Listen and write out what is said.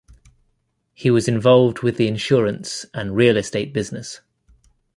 He was involved with the insurance and real estate business.